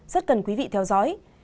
rất cần quý vị theo dõi